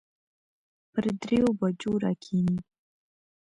پر دريو بجو راکښېني.